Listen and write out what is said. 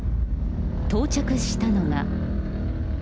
到着したのが。